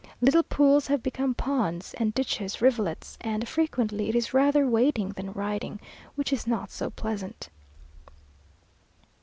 Little pools have become ponds, and ditches rivulets, and frequently it is rather wading than riding, which is not so pleasant.